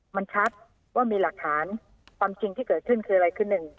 มันชัดว่ามีหลักฐานความจริงที่เกิดขึ้นคืออะไรคือหนึ่ง